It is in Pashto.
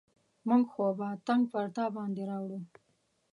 موږ خو به تنګ پر تا باندې راوړو.